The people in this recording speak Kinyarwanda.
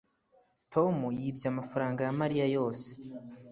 tom yibye amafaranga ya mariya yose